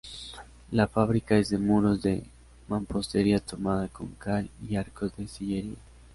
La fábrica es de muros de mampostería tomada con cal y arcos de sillería.